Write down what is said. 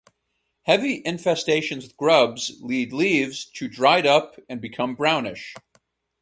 Heavy infestations with grubs lead leaves to dried up and become brownish.